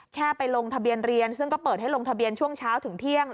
แค่ไปลงทะเบียนเรียนซึ่งก็เปิดให้ลงทะเบียนช่วงเช้าถึงเที่ยง